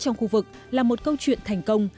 trong khu vực là một câu chuyện thành công